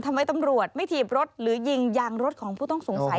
ทำไมตำรวจไม่ถีบรถหรือยิงยางรถของผู้ต้องสงสัย